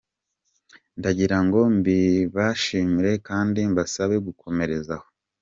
Ndagira ngo mbibashimire kandi mbasabe gukomereza aho.